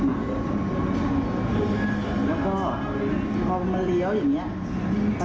แม่ก็ยังไม่เห็นแล้วขับไปสักครั้งหนึ่งมันเริ่มเปิดออกมา